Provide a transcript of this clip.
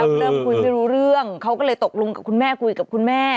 เริ่มคุยไม่รู้เรื่องเขาก็เลยตกลงกับคุณแม่คุยกับคุณแม่